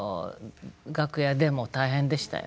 楽屋でも大変でしたよ。